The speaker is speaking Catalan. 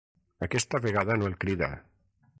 Aquesta vegada no el crida.